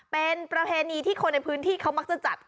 เป็นประเภณีที่คนในพื้นที่เดียวมักจะจัดขึ้น